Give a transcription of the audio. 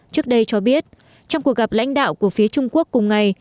trước đây cho biết trong cuộc gặp lãnh đạo của phía trung quốc cùng ngày